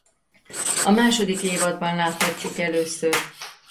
A második évadban láthatjuk először.